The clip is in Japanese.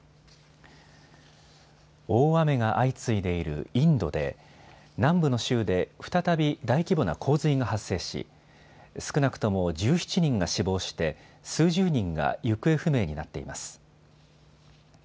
大雨が相次いでいるインドで南部の州で再び大規模な洪水が発生し少なくとも１７人が死亡して数十人が行方不明になっています。